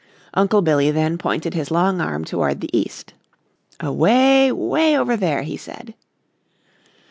Uncle Billy then pointed his long arm toward the east. "Away, way over there," he said.